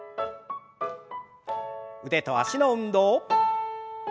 腕と脚の運動。